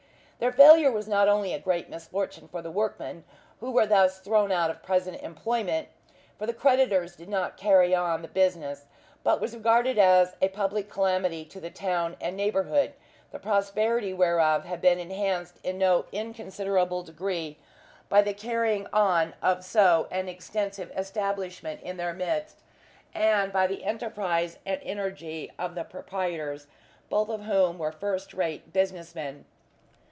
Their failure was not only a great misfortune for the workmen, who were thus thrown out of present employment for the creditors did not carry on the business but was regarded as a public calamity to the town and neighbourhood, the prosperity whereof had been enhanced in no inconsiderable degree by the carrying on of so extensive an establishment in their midst, and by the enterprise and energy of the proprietors, both of whom were first rate business men.